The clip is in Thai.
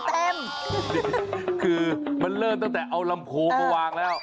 คือมันเริ่มตั้งแต่เอาลำโพงมาวางแล้ว